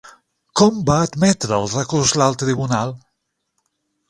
Com va admetre el recurs l'alt tribunal?